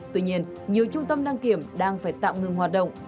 tuy nhiên nhiều trung tâm đăng kiểm đang phải tạm ngừng hoạt động